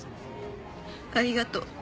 ありがとう。